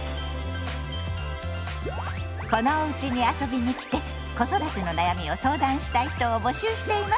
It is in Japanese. このおうちに遊びに来て子育ての悩みを相談したい人を募集しています！